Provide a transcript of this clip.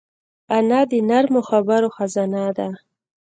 انا د نرمو خبرو خزانه ده